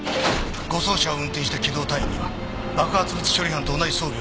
護送車を運転した機動隊員には爆発物処理班と同じ装備をさせていた。